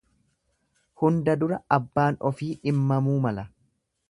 Hunda dura abbaan ofii dhimmamuu mala.